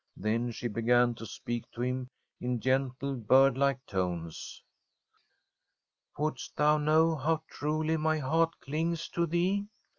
Then she began to speak to him in gentle, bird like tones. * Wouldest thou know how truly my heart clings to thee